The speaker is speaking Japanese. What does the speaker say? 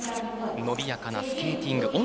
伸びやかなスケーティング。